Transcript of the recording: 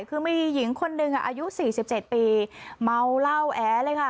คือมีหญิงคนหนึ่งอายุ๔๗ปีเมาเหล้าแอเลยค่ะ